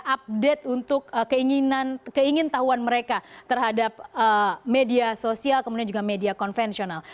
update untuk keingin tahuan mereka terhadap media sosial kemudian juga media konvensional